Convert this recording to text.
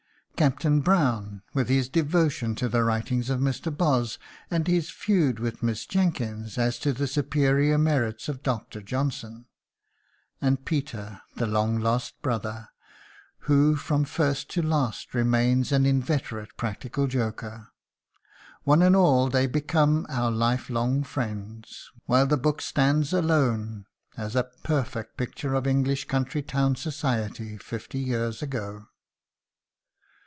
Captain Brown with his devotion to the writings of Mr. Boz and his feud with Miss Jenkyns as to the superior merits of Dr. Johnson; and Peter, the long lost brother, who from first to last remains an inveterate practical joker. One and all they become our life long friends, while the book stands alone as a perfect picture of English country town society fifty years ago.